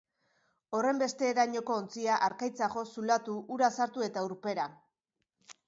Horrenbesterainoko ontzia, harkaitza jo, zulatu, ura sartu eta urpera.